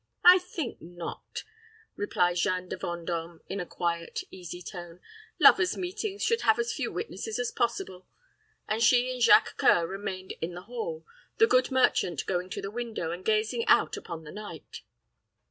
"I think not," replied Jeanne de Vendôme, in a quiet, easy tone. "Lovers' meetings should have as few witnesses as possible;" and she and Jacques C[oe]ur remained in the hall, the good merchant going to the window, and gazing out upon the night.